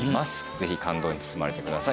ぜひ感動に包まれてください。